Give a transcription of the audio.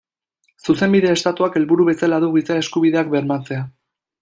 Zuzenbide Estatuak helburu bezala du Giza Eskubideak bermatzea.